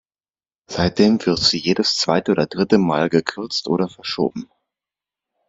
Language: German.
Seitdem wird sie jedes zweite oder dritte Mal gekürzt oder verschoben.